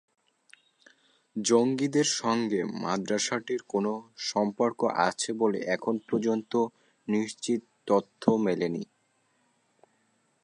জঙ্গিদের সঙ্গে মাদ্রাসাটির কোনো সম্পর্ক আছে বলে এখন পর্যন্ত নিশ্চিত তথ্য মেলেনি।